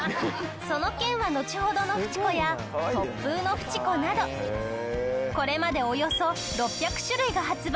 その件はのちほどのフチ子や突風のフチ子などこれまでおよそ６００種類が発売され。